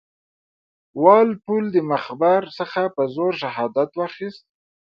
وال پول د مخبر څخه په زور شهادت واخیست.